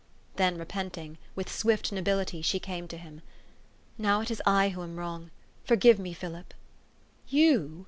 Then repenting, with swift nobility she came to him, "Now it is I who am wrong. Forgive me, Philip!" " You?"